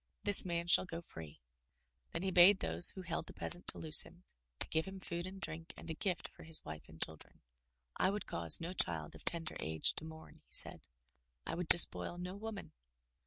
This man shall go free." Then he bade those who held the peasant to loose him, to give him food and drink and a gift for his wife and children. "I would cause no child of tender age to mourn," he said. " I would despoil no woman.